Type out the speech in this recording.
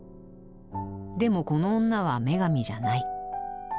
でもこの女は女神じゃない。